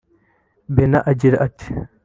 Brenna agira ati